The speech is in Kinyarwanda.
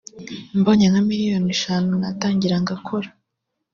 mbonye nka miliyoni eshanu natangira ngakora